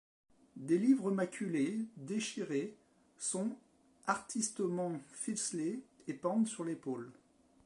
Des livres maculés, déchirés, sont artistement ficelés et pendent sur l’épaule.